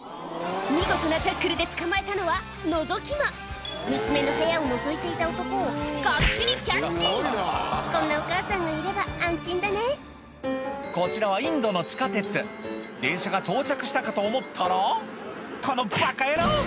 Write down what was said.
見事なタックルで捕まえたのはのぞき魔娘の部屋をのぞいていた男をがっちりキャッチこんなお母さんがいれば安心だねこちらはインドの地下鉄電車が到着したかと思ったら「このバカ野郎！」